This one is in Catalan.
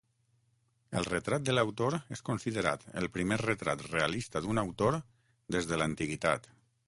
El retrat de l'autor és considerat el primer retrat realista d'un autor des de l'antiguitat.